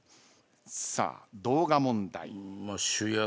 さあ動画問題。